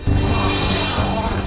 jangan sampai lolos